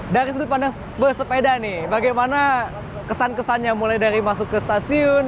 dari sudut pandang bersepeda nih bagaimana kesan kesannya mulai dari masuk ke stasiun